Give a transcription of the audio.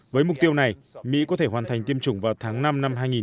với mục tiêu này mỹ có thể hoàn thành tiêm chủng vào tháng năm năm hai nghìn hai mươi